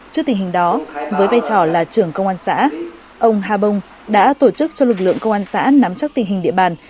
trước tình hình đó với vai trò là trưởng công an xã ông ha bông đã tổ chức cho lực lượng công an xã nắm chắc tình hình địa bàn